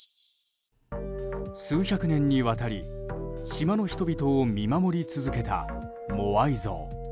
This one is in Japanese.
数百年にわたり、島の人々を見守り続けたモアイ像。